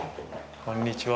こんにちは。